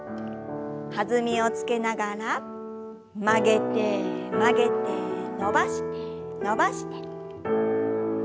弾みをつけながら曲げて曲げて伸ばして伸ばして。